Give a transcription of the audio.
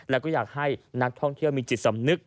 แล้วก็อยากให้นักท่องเที่ยวมีจิตสำนึก